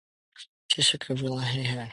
She shook her blond head.